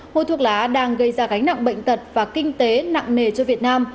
hút thuốc lá đang gây ra gánh nặng bệnh tật và kinh tế nặng nề cho việt nam